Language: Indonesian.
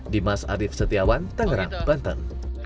dimas arief setiawan tangerang banten